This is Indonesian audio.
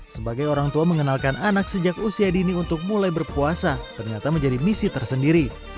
sebagai orang tua mengenalkan anak sejak usia dini untuk mulai berpuasa ternyata menjadi misi tersendiri